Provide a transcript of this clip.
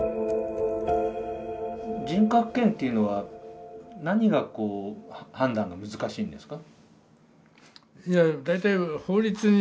人格権というのは何がこう判断が難しいんですか？